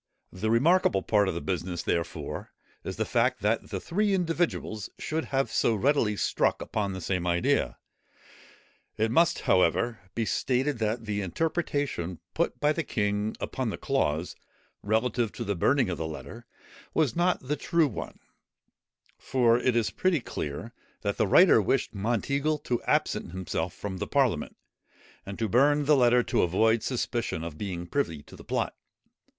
The remarkable part of the business, therefore, is the fact, that the three individuals should have so readily struck upon the same idea. It must, however, be stated that the interpretation put by the king upon the clause relative to the burning of the letter was not the true one: for it is pretty clear, that the writer wished Monteagle to absent himself from the parliament, and to burn the letter to avoid suspicion of being privy to the plot.